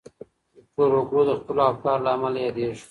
ویکټور هوګو د خپلو افکارو له امله یادېږي.